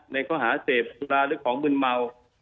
ในก็หาเสพลาหรือของบึนเมา